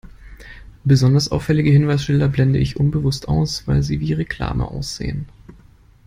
Besonders auffällige Hinweisschilder blende ich unbewusst aus, weil sie wie Reklame aussehen.